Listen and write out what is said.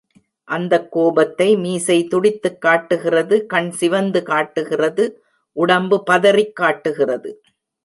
அந்தக் கோபத்தை மீசை துடித்துக் காட்டுகிறது கண் சிவந்து காட்டுகிறது உடம்பு பதறிக் காட்டுகிறது.